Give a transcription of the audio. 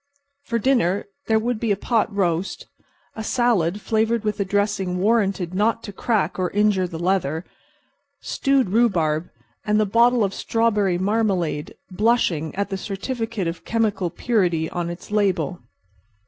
For dinner there would be pot roast, a salad flavored with a dressing warranted not to crack or injure the leather, stewed rhubarb and the bottle of strawberry marmalade blushing at the certificate of chemical purity on its label.